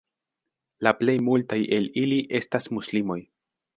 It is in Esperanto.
La plej multaj el ili estas muslimoj.